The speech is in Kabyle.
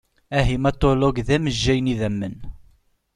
Ahimatulog d amejjay n idammen.